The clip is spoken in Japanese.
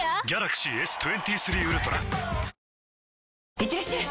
いってらっしゃい！